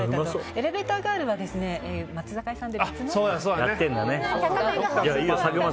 エレベーターガールは松坂屋さんのほうで。